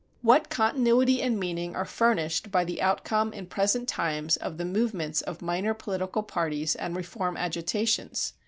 What continuity and meaning are furnished by the outcome in present times of the movements of minor political parties and reform agitations!